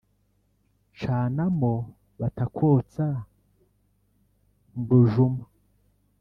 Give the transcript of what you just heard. cana mo batakotsa mu rujuma